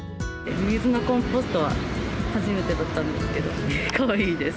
ミミズのコンポストは初めてだったんですけど、かわいいです。